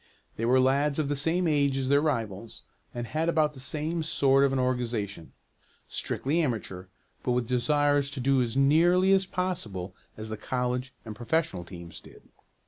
They were lads of the same age as their rivals, and had about the same sort of an organization strictly amateur, but with desires to do as nearly as possible as the college and professional teams did.